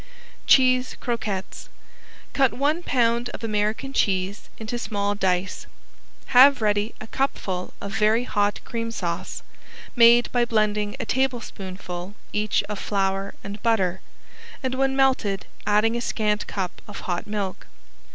~CHEESE CROQUETTES~ Cut one pound of American cheese into small dice. Have ready a cupful of very hot cream sauce, made by blending a tablespoonful each of flour and butter, and when melted adding a scant cup of hot milk.